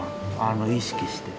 意識して。